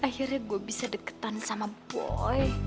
akhirnya gue bisa deketan sama poi